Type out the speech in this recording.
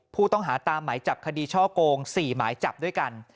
ผู้ต้องหาตามหมายจับคดีช่อกง๔หมายจับด้วยกัน